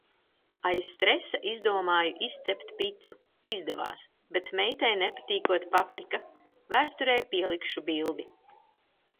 Aiz stresa izdomāju izcept picu. Izdevās, bet meitai nepatīkot paprika. Vēsturei pielikšu bildi.